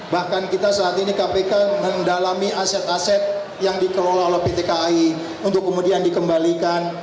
bahkan kita saat ini kpk mendalami aset aset yang dikelola oleh pt kai untuk kemudian dikembalikan